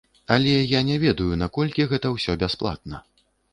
Але я не ведаю, наколькі гэта ўсё бясплатна.